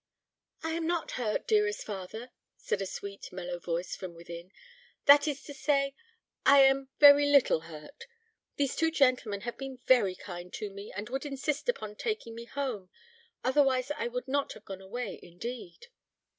"I am not hurt, dearest father," said a sweet mellow voice, from within; "that is to say, I am very little hurt. These two gentlemen have been very kind to me, and would insist upon taking me home, otherwise I would not have gone away, indeed."